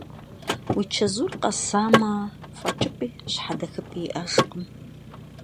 Уи чэзур къэсамэ, фӀэкӀыпӀи щхьэдэхыпӀи иӀэжкъым…